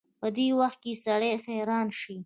په دې وخت کې سړی حيران شي.